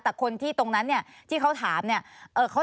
แต่คนที่ตรงนั้นเนี่ยที่เขาถามเนี่ย